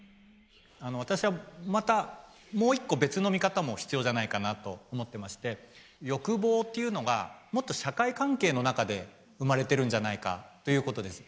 私はまたもう一個別の見方も必要じゃないかなと思ってまして欲望というのがもっと社会関係の中で生まれてるんじゃないかということです。